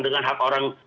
dengan hak orang